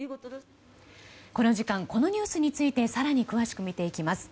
この時間このニュースについて更に詳しく見ていきます。